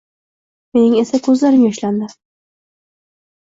Mening esa ko`zlarim yoshlandi